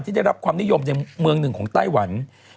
ได้รับความนิยมในเมืองหนึ่งของไต้หวัน